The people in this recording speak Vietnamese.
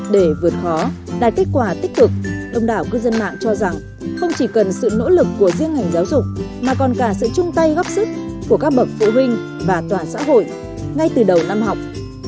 để vượt khó đạt kết quả tích cực đông đảo cư dân mạng cho rằng không chỉ cần sự nỗ lực của riêng ngành giáo dục mà còn cả sự chung tay góp sức của các bậc phụ huynh và toàn xã hội ngay từ đầu năm học